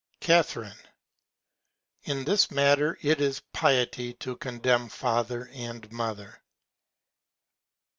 Ca. In this Matter it is Piety to contemn Father and Mother.